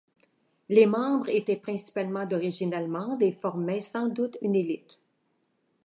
Les membres étaient principalement d´origine allemande et formaient sans doute une élite.